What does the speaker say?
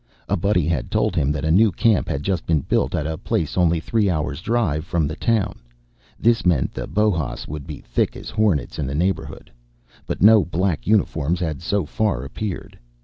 A buddy had told him that a new camp had just been built at a place only three hours drive away from the town. This meant that Bohas would be thick as hornets in the neighborhood. But no black uniforms had so far appeared.